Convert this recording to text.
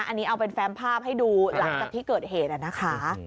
อันนี้เอาเป็นแฟมภาพให้ดูหลังจากที่เกิดเหตุนะคะ